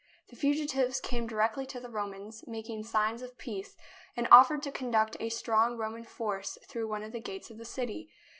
The fugitives came di rectly to the Romans, making signs of peace, and offered to conduct a strong Roman force through one of the gates of the city.